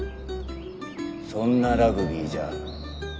そんなラグビーじゃ